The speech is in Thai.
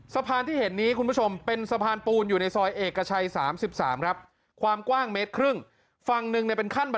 สภานที่เห็นนี้คุณผู้ชมเป็นสภานปูนอยู่ในซอยเอกชัย๓๓ครับ